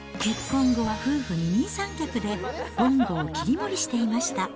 結婚後は夫婦二人三脚でぼんごを切り盛りしていました。